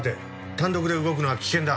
単独で動くのは危険だ。